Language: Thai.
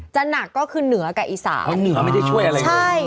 หนักก็คือเหนือกับอีสานอ๋อเหนือไม่ได้ช่วยอะไรเลยใช่